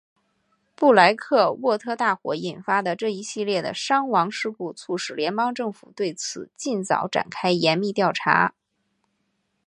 布莱克沃特大火引发的这一系列的伤亡事故促使联邦政府对此尽早展开严密调查。